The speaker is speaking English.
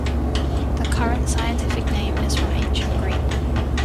The current scientific name is from Ancient Greek.